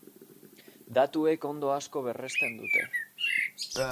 Datuek ondo asko berresten dute.